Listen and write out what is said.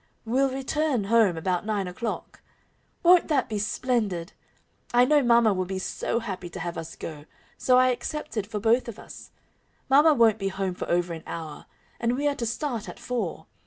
We'll return home about nine o'clock. Won't that be splendid? I know mamma will be so happy to have us go, so I accepted for both of us. Mamma won't be home for over an hour. And we are to start at four.